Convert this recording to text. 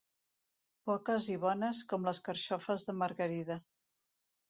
Poques i bones, com les carxofes de Margarida.